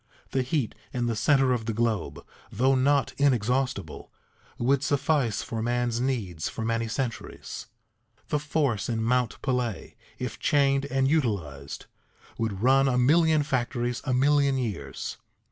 The heat in the center of the globe, though not inexhaustible, would suffice for man's needs for many centuries. The force in Mount Pelée, if chained and utilized, would run a million factories a million years.